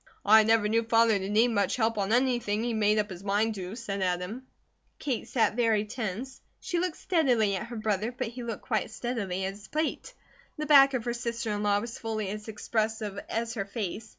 "I never knew Father to need much help on anything he made up his mind to," said Adam. Kate sat very tense. She looked steadily at her brother, but he looked quite as steadily at his plate. The back of her sister in law was fully as expressive as her face.